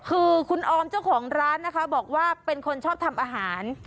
คือคุณออมเจ้าของร้านนะคะบอกว่าเป็นคนชอบทำอาหาร